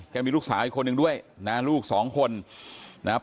มีลูกสาวอีกคนนึงด้วยนะลูกสองคนนะครับ